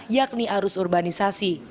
yakni arus urbanisasi